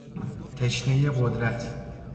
تشنهی قدرت